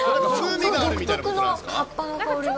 独特の葉っぱの香りが。